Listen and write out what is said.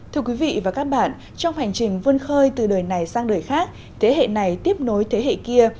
thưa quý vị và các bạn trong hành trình vươn khơi từ đời này sang đời khác thế hệ này tiếp nối thế hệ kia